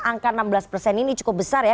angka enam belas persen ini cukup besar ya